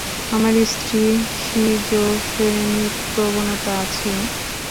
আমার স্ত্রীর সিজোফ্রেনিক প্রবণতা আছে?